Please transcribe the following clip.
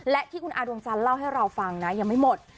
และที่คุณอาดวงจันทร์เล่าให้เราฟังนะยังไม่หมด